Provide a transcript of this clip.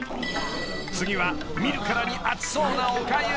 ［次は見るからに熱そうなおかゆ］